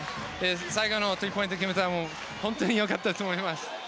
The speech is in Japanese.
最後、スリーポイント決めたのも本当に良かったと思います。